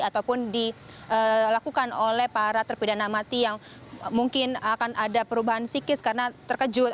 ataupun dilakukan oleh para terpidana mati yang mungkin akan ada perubahan psikis karena terkejut